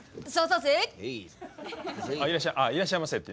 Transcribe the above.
あっ「いらっしゃいませ」って？